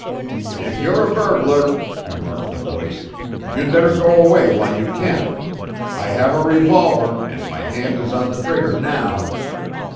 "If you're a burglar," remarked the voice, "you'd better go away while you can. I have a revolver, and my hand is on the trigger now."